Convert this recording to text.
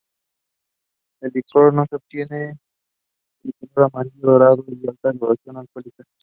El licor que se obtiene es de color amarillo dorado y alta graduación alcohólica.